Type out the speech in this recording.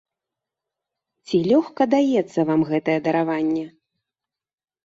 Ці лёгка даецца вам гэтае дараванне?